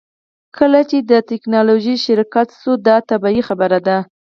کله چې ته د ټیکنالوژۍ شرکت شوې دا طبیعي خبره ده